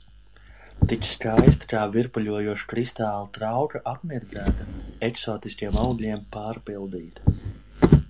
Tik skaista, kā virpuļojoša kristāla trauka apmirdzēta, eksotiskiem augļiem pārpildīta.